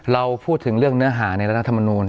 เราพูดถึงเรื่องเนื้อหาในรัฐธรรมนูล